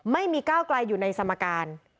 ไม่มีก้าวไกลอยู่ในสมการ